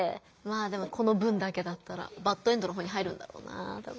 まあでもこの文だけだったらバッドエンドの方に入るんだろうな。